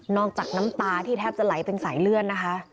จากน้ำตาที่แทบจะไหลเป็นสายเลื่อนนะคะ